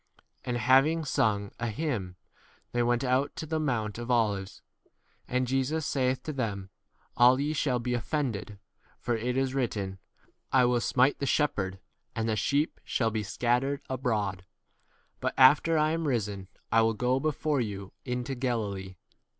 And having sung a hymn, they went out to the mount 27 of Olives. And Jesus saith to them, All ye shall be offended, w for it is written, I will smite the shepherd, and the sheep shall be 28 scattered abroad. But after I am risen, I will go before you into 29 Galilee.